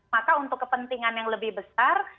maka untuk kepentingan yang lebih besar